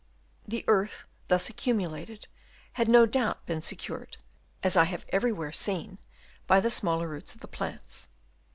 The earth thus accumulated had no doubt been secured (as I have everywhere seen) by the smaller roots of the plants.